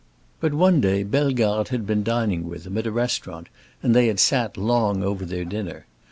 But one day Bellegarde had been dining with him, at a restaurant, and they had sat long over their dinner.